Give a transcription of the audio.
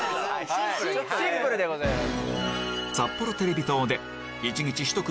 シンプルでございます。